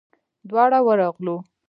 دواړه ورغلو.